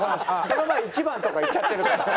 その前に「一番」とか言っちゃってるから。